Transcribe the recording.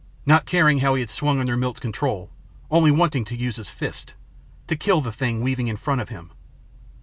Not caring how he had swung under Milt's control only wanting to use his fists to kill the thing weaving in front of him.